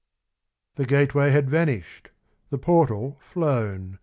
XVI The gateway had vanished, the portal flown.